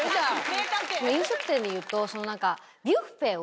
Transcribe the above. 飲食店でいうと。